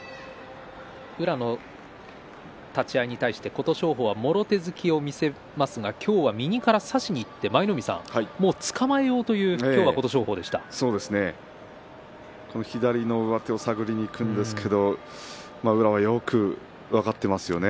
宇良の立ち合いに対して琴勝峰はもろ手突きを見せますが、今日は右から差しにいって舞の海さん左の上手を下げにいくんですけども宇良はよく分かっていますね。